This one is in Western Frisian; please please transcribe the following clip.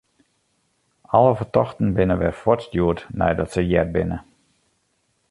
Alle fertochten binne wer fuortstjoerd neidat se heard binne.